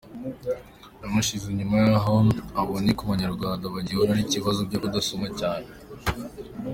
Yawushinze nyuma y’aho aboneye ko Abanyarwanda bagihura n’ibibazo byo kudasoma cyane.